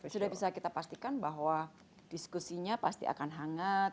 sudah bisa kita pastikan bahwa diskusinya pasti akan hangat